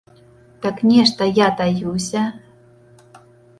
Так нешта я таюся?!